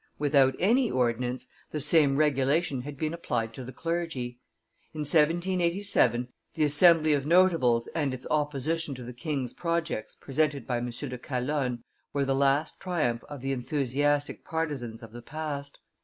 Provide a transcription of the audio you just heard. Without any ordinance, the same regulation had been applied to the clergy. In 1787, the Assembly of notables and its opposition to the king's projects presented by M. de Calonne were the last triumph of the enthusiastic partisans of the past.